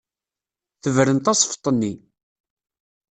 Tebren tasfeḍt-nni.